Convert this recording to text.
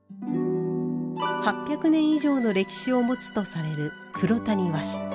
８００年以上の歴史を持つとされる黒谷和紙。